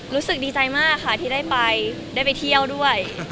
รู้สึกดีใจมากที่ได้ไปที่ที่ไปเที่ยวด้วย